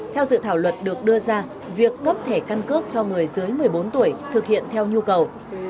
theo dự thảo luật được đưa ra việc cấp thẻ căn cước cho người dưới một mươi bốn tuổi thực hiện theo nhu cầu